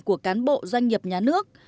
của cán bộ doanh nghiệp nhà nước